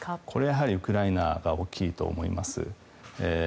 やはりウクライナが大きいと思います。